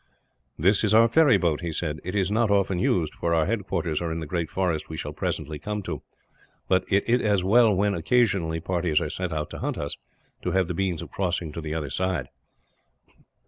"That is our ferry boat," he said. "It is not often used, for our headquarters are in the great forest we shall presently come to; but it is as well when, occasionally, parties are sent out to hunt us, to have the means of crossing to the other side."